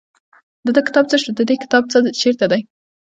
د ده کتاب څه شو د دې کتاب چېرته دی.